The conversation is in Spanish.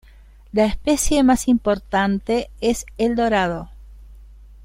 La especie más importante es el dorado.